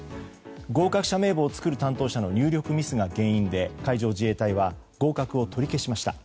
合格者名簿を作る担当者の入力ミスが原因で海上自衛隊は合格を取り消しました。